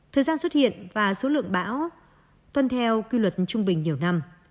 thời gian xuất hiện và số lượng bão tuân theo quy luật trung bình nhiều năm